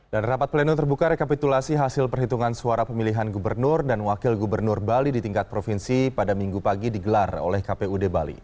dan rapat pleno terbuka rekapitulasi hasil perhitungan suara pemilihan gubernur dan wakil gubernur bali di tingkat provinsi pada minggu pagi digelar oleh kpud bali